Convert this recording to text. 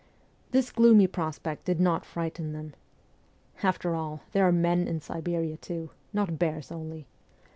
This gloomy prospect did not frighten them. ' After all, there are men in Siberia, too not bears only.'